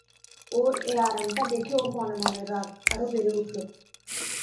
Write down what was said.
ওর এই আরামটা দেখে ওঁর মনে মনে রাগ আরো বেড়ে উঠল।